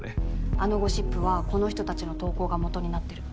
あのゴシップはこの人たちの投稿がもとになってる。